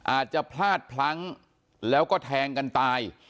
อาจจะพลาดพลั้งแล้วก็แทงกันตาย